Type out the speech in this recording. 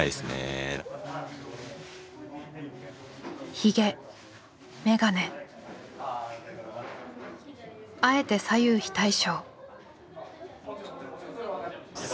ひげ眼鏡あえて左右非対称。